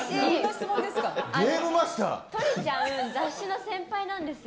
トリちゃんは雑誌の先輩なんです。